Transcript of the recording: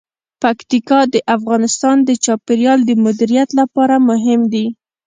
پکتیکا د افغانستان د چاپیریال د مدیریت لپاره مهم دي.